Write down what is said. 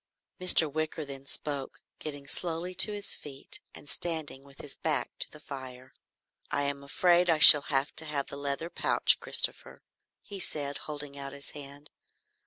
Mr. Wicker then spoke, getting slowly to his feet and standing with his back to the fire. "I am afraid I shall have to have the leather pouch, Christopher," he said, holding out his hand.